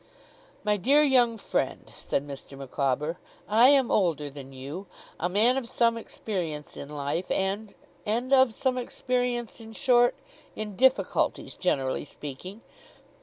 'My dear young friend,' said Mr. Micawber, 'I am older than you; a man of some experience in life, and and of some experience, in short, in difficulties, generally speaking.